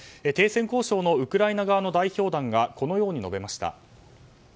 停戦交渉のウクライナ側の代表団がこのように述べました。